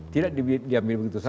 tidak diambil begitu saja